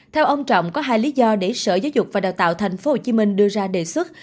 theo ông trọng có hai lý do để sở giáo dục và đào tạo tp hcm đưa ra đề xuất